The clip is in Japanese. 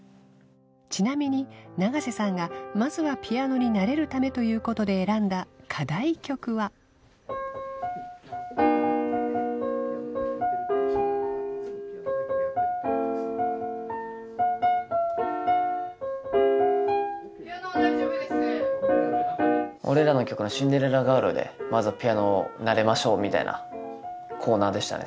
ちなみに永瀬さんがまずはピアノに慣れるためということで選んだ課題曲は・ピアノは大丈夫です俺らの曲の「シンデレラガール」でまずはピアノを慣れましょうみたいなコーナーでしたね